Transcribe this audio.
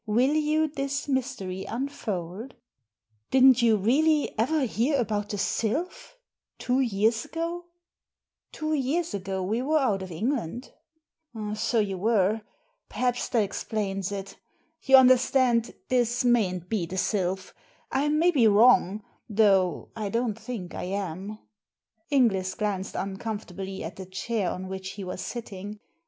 Will you this mystery unfold?" "Didn't you really ever hear about the Sylph — two years ago?" " Two years ago we were out of England" Digitized by VjOOQIC 266 THE SEEN AND THE UNSEEN "So you were. Perhaps that explains it You understand, this mayn't be the Sylph. I may be wrong — though I don't think I am." Inglis glanced uncomfortably at the chair on which he was sitting.